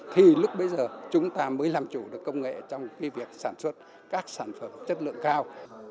thì lúc bây giờ chúng ta mới làm chủ được công nghệ trong việc sản xuất các sản phẩm chất lượng cao